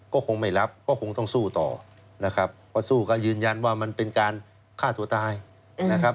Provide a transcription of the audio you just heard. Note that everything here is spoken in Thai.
ก็คงไม่รับก็คงต้องสู้ต่อนะครับเพราะสู้ก็ยืนยันว่ามันเป็นการฆ่าตัวตายนะครับ